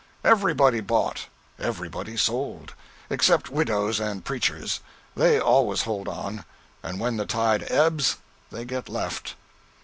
Everybody bought, everybody sold except widows and preachers; they always hold on; and when the tide ebbs, they get left.